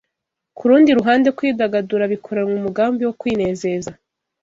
Ku rundi ruhande, kwidagadura bikoranwa umugambi wo kwinezeza